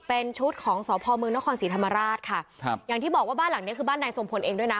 เป็นชุดของสพมนครศรีธรรมราชค่ะครับอย่างที่บอกว่าบ้านหลังเนี้ยคือบ้านนายทรงพลเองด้วยนะ